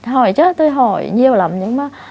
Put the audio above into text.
hỏi chứ tôi hỏi nhiều lắm nhưng mà